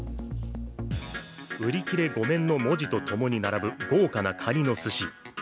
売り切れ御免の文字とともに並ぶ豪華なカニのすし。